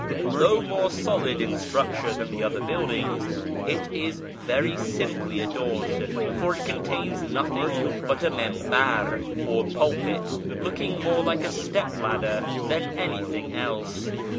Though more solid in structure than the other buildings, it is very simply adorned, for it contains nothing but a minibar, or pulpit, looking more like a step ladder than anything else.